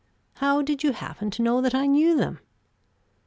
How did you happen to know that I knew them?"